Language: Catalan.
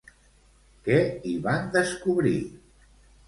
Què hi van descobrir?